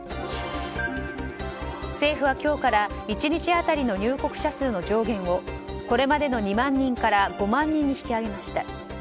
政府は今日から１日当たりの入国者数の上限をこれまでの２万人から５万人に引き上げました。